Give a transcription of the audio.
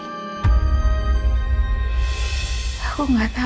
aku gak bisa lagi ngerasain kamu lagi di dalam diri aku